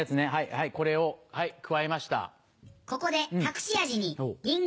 はいこれを加えました。